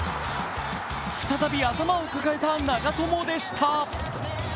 とはいかず再び頭を抱えた長友でした。